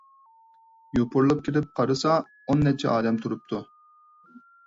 يوپۇرۇلۇپ كىرىپ قارىسا، ئون نەچچە ئادەم تۇرۇپتۇ.